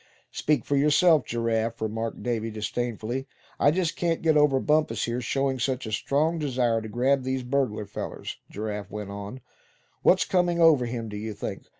"Speak for yourself, Giraffe," remarked Davy, disdainfully. "I just can't get over Bumpus, here, showing such a strong desire to grab these burglar fellers," Giraffe went on. "What's comin' over him, do you think?